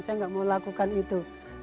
saya nggak mau lakukan itu